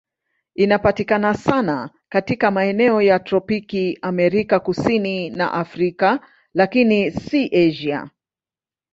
Inapatikana sana katika maeneo ya tropiki Amerika Kusini na Afrika, lakini si Asia.